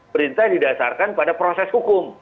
perintah didasarkan pada proses hukum